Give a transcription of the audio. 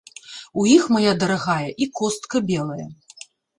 У іх, мая дарагая, і костка белая.